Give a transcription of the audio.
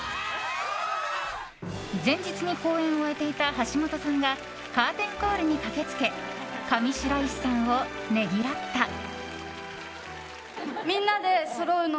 前日に公演を終えていた橋本さんがカーテンコールに駆けつけ上白石さんをねぎらった。